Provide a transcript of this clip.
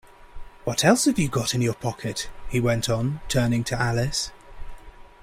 ‘What else have you got in your pocket?’ he went on, turning to Alice.